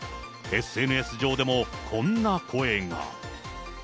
ＳＮＳ上でも、こんな声が。